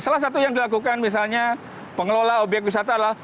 salah satu yang dilakukan misalnya pengelola obyek wisata adalah